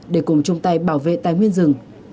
để cùng chung tay bảo vệ tài nguyên rừng